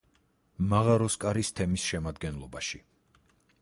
მაღაროსკარის თემის შემადგენლობაში.